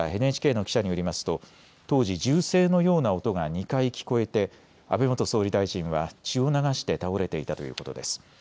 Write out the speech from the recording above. ＮＨＫの記者によりますと当時、銃声のような音が２回聞こえて安倍元総理大臣は血を流して倒れていたということです。